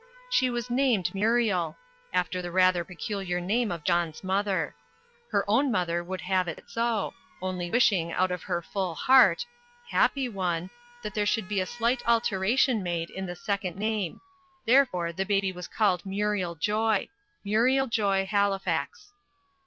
She was named Muriel after the rather peculiar name of John's mother. Her own mother would have it so; only wishing out of her full heart, happy one! that there should be a slight alteration made in the second name. Therefore the baby was called Muriel Joy Muriel Joy Halifax.